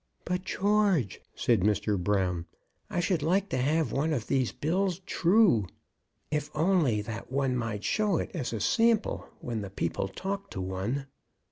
"But, George," said Mr. Brown, "I should like to have one of these bills true, if only that one might show it as a sample when the people talk to one."